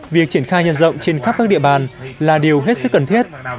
việc triển khai nhân rộng trên khắp các địa bàn là điều hết sức cần thiết